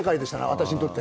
私にとって。